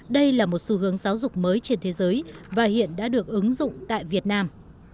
đây là một xu hướng giáo dục mới trên thế giới và hiện đã được ứng dụng tại việt nam